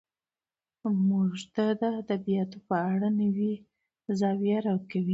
موږ ته د ادبياتو په اړه نوې زاويه راکوي